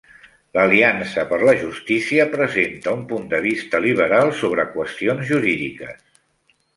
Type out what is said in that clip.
L'Aliança per la Justícia presenta un punt de vista liberal sobre qüestions jurídiques.